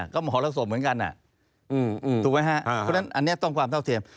ก็มหรสมเหมือนกันอันนี้ต้องความเท่าเทียม